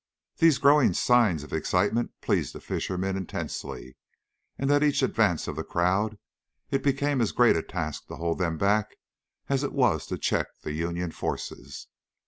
These growing signs of excitement pleased the fishermen intensely, and at each advance of the crowd it became as great a task to hold them back as it was to check the union forces.